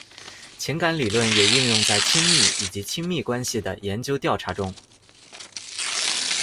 情感理论也应用在亲密以及亲密关系的研究调查中。